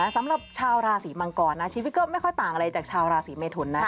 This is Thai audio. สำหรับชาวราศีมังกรนะชีวิตก็ไม่ค่อยต่างอะไรจากชาวราศีเมทุนนะ